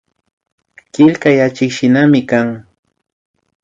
Killkayka achikshinami kan